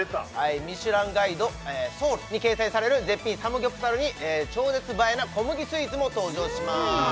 「ミシュランガイドソウル」に掲載される絶品サムギョプサルに超絶映えな小麦スイーツも登場します